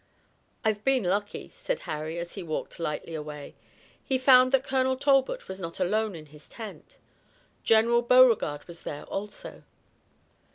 "I've been lucky," said Harry, as he walked lightly away. He found that Colonel Talbot was not alone in his tent. General Beauregard was there also.